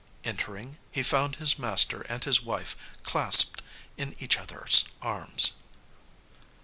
Entering he found his master and his wife clasped in each other's arms.